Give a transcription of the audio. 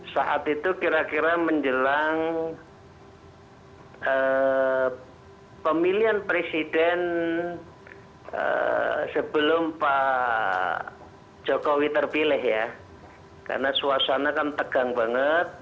saat itu kira kira menjelang pemilihan presiden sebelum pak jokowi terpilih ya karena suasana kan tegang banget